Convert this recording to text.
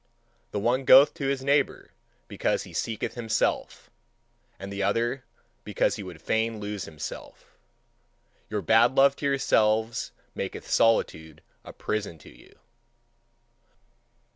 The one goeth to his neighbour because he seeketh himself, and the other because he would fain lose himself. Your bad love to yourselves maketh solitude a prison to you.